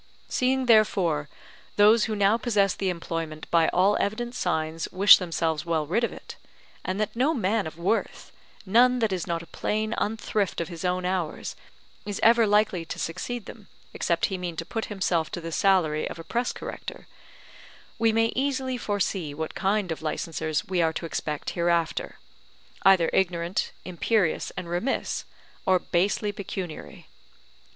Seeing therefore those who now possess the employment by all evident signs wish themselves well rid of it; and that no man of worth, none that is not a plain unthrift of his own hours, is ever likely to succeed them, except he mean to put himself to the salary of a press corrector; we may easily foresee what kind of licensers we are to expect hereafter, either ignorant, imperious, and remiss, or basely pecuniary.